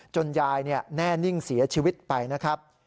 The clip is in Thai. ยายแน่นิ่งเสียชีวิตไปนะครับ